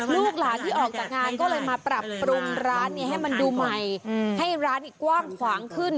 ลูกหลานที่ออกจากงานก็เลยมาปรับปรุงร้านนี้ให้มันดูใหม่ให้ร้านกว้างขวางขึ้น